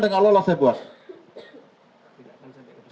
dia gak lolos saya buat